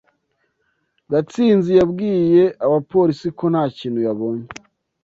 Gatsinzi yabwiye abapolisi ko nta kintu yabonye.